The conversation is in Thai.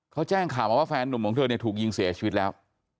เขาแจ้งข่าวมาว่าแฟนนุ่มของเธอเนี่ยถูกยิงเสียชีวิตแล้ว